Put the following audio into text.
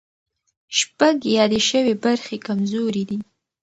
شپږ یادې شوې برخې کمزوري دي.